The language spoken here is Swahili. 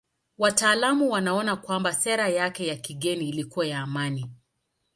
Wataalamu wanaona kwamba sera yake ya kigeni ilikuwa ya amani.